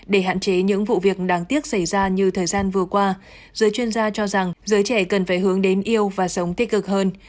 để hạn chế những vụ việc đáng tiếc xảy ra như thời gian vừa qua giới chuyên gia cho rằng giới trẻ cần phải hướng đến yêu và sống tích cực hơn